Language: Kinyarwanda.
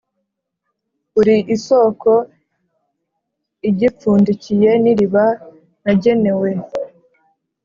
uri isoko igipfundikiye n’iriba nagenewe.